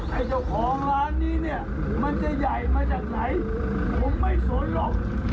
ไอ้เจ้าของร้านนี้เนี่ยมันจะใหญ่มาจากไหนผมไม่สนหรอก